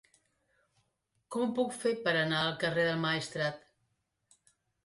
Com ho puc fer per anar al carrer del Maestrat?